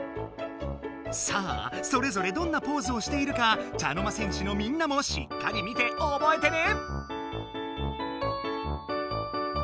さぁそれぞれどんなポーズをしているか茶の間戦士のみんなもしっかり見ておぼえてね！